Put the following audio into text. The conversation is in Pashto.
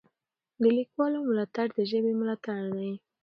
د لیکوالو ملاتړ د ژبې ملاتړ دی.